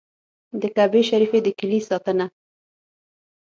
د کعبې شریفې د کیلي ساتنه.